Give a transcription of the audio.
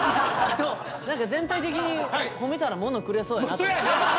何か全体的に褒めたら物くれそうやなと。